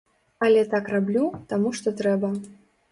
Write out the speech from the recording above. Але так раблю, таму што трэба.